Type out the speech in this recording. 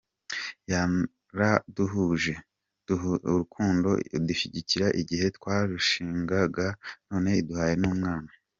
Yaraduhuje, duhuje urukundo, idushyigikira igihe twarushingaga, none iduhaye n'umwana.